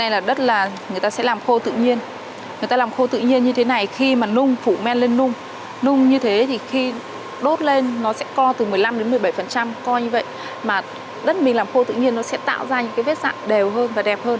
làm khô tự nhiên sẽ tạo ra những vết dạng đều hơn và đẹp hơn